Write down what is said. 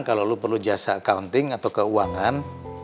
kalau lo perlu jasa accounting atau keuangan